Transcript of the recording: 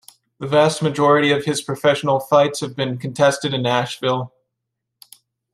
The vast majority of his professional fights have been contested in Nashville.